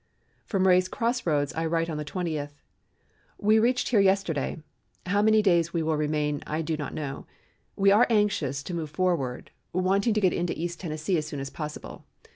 From Ray's Cross Roads, I write on the 20th: "We reached here yesterday. How many days we will remain I do not know. We are anxious to move forward, wanting to get into East Tennessee as soon as possible.